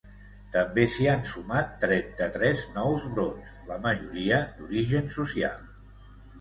També s’hi han sumat trenta-tres nous brots, la majoria d’origen social.